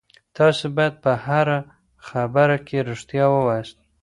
تاسو باید په هره خبره کي ریښتیا ووایاست.